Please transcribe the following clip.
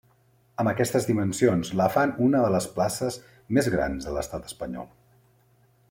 Amb aquestes dimensions la fan una de les places més grans de l'Estat Espanyol.